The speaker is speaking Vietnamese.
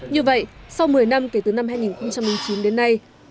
như vậy sau một mươi năm kể từ năm hai nghìn chín đến nay